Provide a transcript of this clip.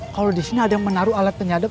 kalo disini ada yang menaruh alat penyadap